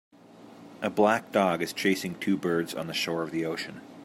A black dog is chasing two birds on the shore of the ocean